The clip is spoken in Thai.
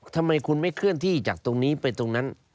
ทำไมคุณไม่เคลื่อนที่จากตรงนี้ไปตรงนั้น